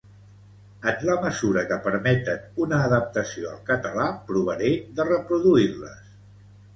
En la mesura que permeten una adaptació al català, provaré de reproduir-les.